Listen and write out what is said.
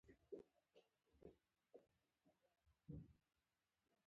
ته په ایټالوي ژبه خبرې کولای شې، خو لیک لوست دې سم نه دی.